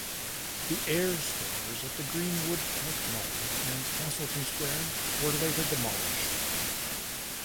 The Ayres stores at the Greenwood Park Mall and Castleton Square were later demolished.